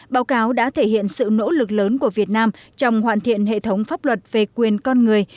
báo cáo đã thể hiện sự nỗ lực lớn của việt nam trong hoàn thiện hệ thống pháp luật về quyền con người